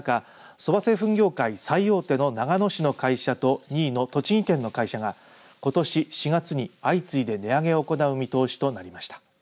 そば製粉業界最大手の長野市の会社と２位の栃木県の会社がことし４月に相次いで値上げを行う見通しとなりました。